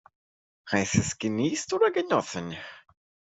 Heißt es geniest oder genossen?